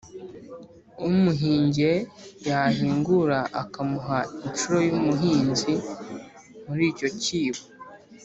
umuhingiye yahingura akamuha inshuro y'umuhinzi muri icyo cyibo